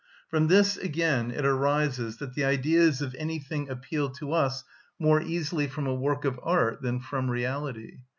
From this, again, it arises that the Ideas of anything appeal to us more easily from a work of art than from reality.